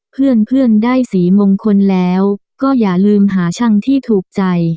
เพื่อนได้สีมงคลแล้วก็อย่าลืมหาช่างที่ถูกใจ